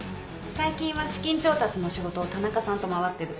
最近は資金調達の仕事を田中さんと回ってる。